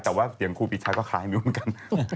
แต่ว่าเสียงครูปีชาก็ค้างอยู่เหมือนกัน